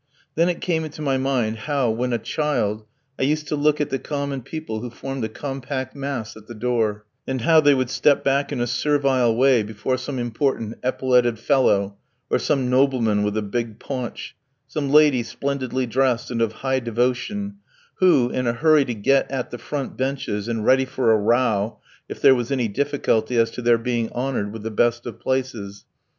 Then it came into my mind how, when a child, I used to look at the common people who formed a compact mass at the door, and how they would step back in a servile way before some important epauletted fellow, or some nobleman with a big paunch, some lady splendidly dressed and of high devotion who, in a hurry to get at the front benches, and ready for a row if there was any difficulty as to their being honoured with the best of places.